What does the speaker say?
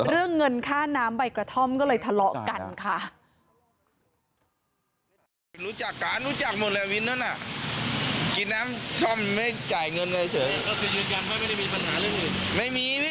เรื่องเงินค่าน้ำใบกระท่อมก็เลยทะเลาะกันค่ะ